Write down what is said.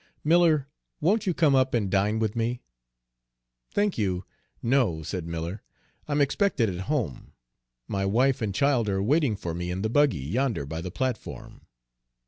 Miller, won't you come up and dine with me?" "Thank you, no," said Miller, "I am expected at home. My wife and child are waiting for me in the buggy yonder by the platform."